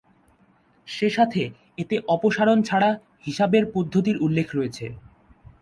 সেসাথে এতে অপসারণ ছাড়া হিসাবের পদ্ধতির উল্লেখ রয়েছে।